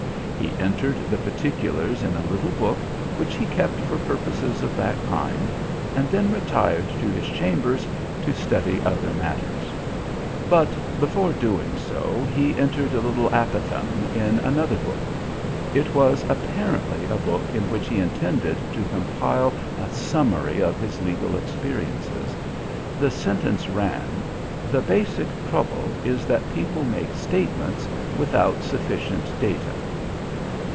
He entered the particulars in a little book which he kept for purposes of that kind, and then retired to his chambers to study other matters. But before doing so, he entered a little apophthegm in another book. It was apparently a book in which he intended to compile a summary of his legal experiences. The sentence ran: "The basic trouble is that people make statements without sufficient data."